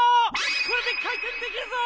これでかいてんできるぞ！